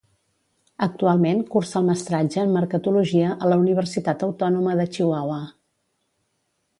Actualment cursa el Mestratge en Mercatologia a la Universitat Autònoma de Chihuahua.